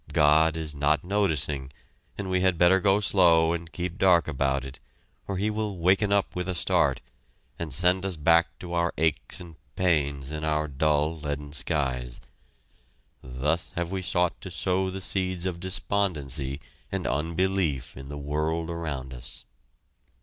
God is not noticing, and we had better go slow and keep dark about it, or He will waken up with a start, and send us back to our aches and pains and our dull leaden skies! Thus have we sought to sow the seeds of despondency and unbelief in the world around us.